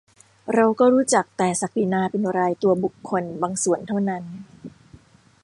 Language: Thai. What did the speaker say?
เราก็รู้จักแต่ศักดินาเป็นรายตัวบุคคลบางส่วนเท่านั้น